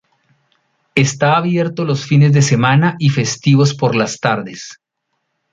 Está abierto los fines de semana y festivos por las tardes.